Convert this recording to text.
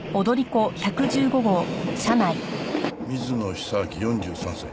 水野久明４３歳。